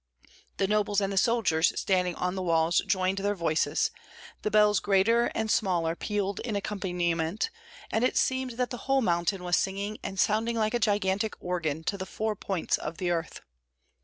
The nobles and the soldiers standing on the walls joined their voices, the bells greater and smaller pealed in accompaniment, and it seemed that the whole mountain was singing and sounding like a gigantic organ to the four points of the earth.